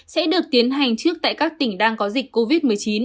sẽ được tiến hành trước tại các tỉnh đang có dịch covid một mươi chín